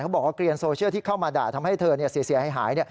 บอกว่าเกลียนโซเชียลที่เข้ามาด่าทำให้เธอเสียหาย